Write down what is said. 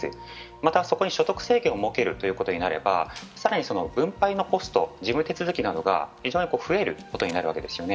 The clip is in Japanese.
またそこに所得制限を設けることになれば更に分配のコスト、事務手続きなどが非常に増えることになるわけですよね。